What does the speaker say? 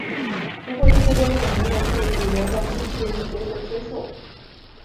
不过这些观点没有被主流的穆斯林学者接受。